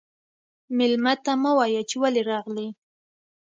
مېلمه ته مه وايه چې ولې راغلې.